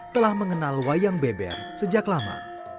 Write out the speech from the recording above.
telah mengenal wayang beber sejak lama